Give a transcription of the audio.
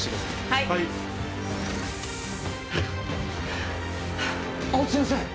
はい青戸先生